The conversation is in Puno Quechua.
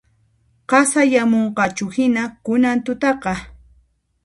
Qasayamunqachuhina kunan tutaqa